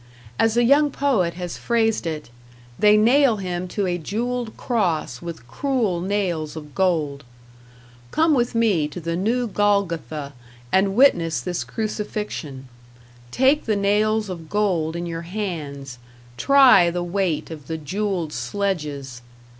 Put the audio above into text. As a young poet has phrased it, they nail him to a jeweled cross with cruel nails of gold. Come with me to the New Golgotha and witness this crucifixion; take the nails of gold in your hands, try the weight of the jeweled sledges!